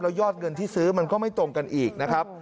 ยอดเงินที่ซื้อมันก็ไม่ตรงกันอีกนะครับ